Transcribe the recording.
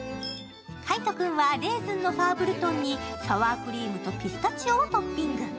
海音君はレーズンのファーブルトンにサワークリームとピスタチオをトッピング。